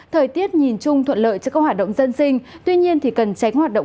thời tiết nhìn chung thuận lợi cho các hoạt động dân sinh tuy nhiên thì cần trách hoạt động